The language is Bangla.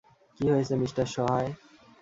কী হয়েছে মিস্টার সাহায়?